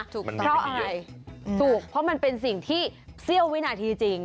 ถูกต่อมันไม่มีเยอะเพราะอะไรถูกเพราะมันเป็นสิ่งที่เสี้ยววินาทีจริง